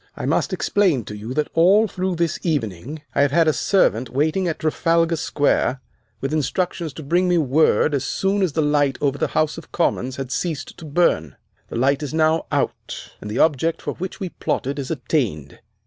I must explain to you, that all through this evening I have had a servant waiting in Trafalgar Square with instructions to bring me word as soon as the light over the House of Commons had ceased to burn. The light is now out, and the object for which we plotted is attained."